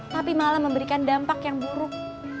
tapi malah memberikan dampak yang buruk